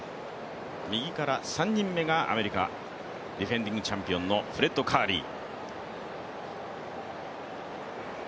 右から３人目がアメリカ、ディフェンディングチャンピオンのフレッド・カーリー。